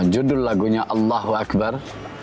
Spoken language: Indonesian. judul lagunya allahu akbar